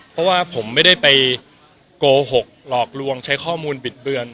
เพราะว่าผมไม่ได้ไปโกหกหลอกลวงใช้ข้อมูลบิดเบือน